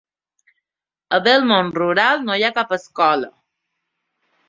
A Belmont Rural no hi ha cap escola.